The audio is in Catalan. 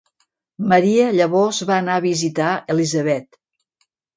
Maria llavors va anar a visitar Elisabet.